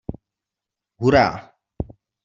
Hurá!